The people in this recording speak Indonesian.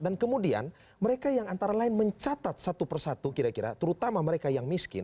dan kemudian mereka yang antara lain mencatat satu persatu kira kira terutama mereka yang miskin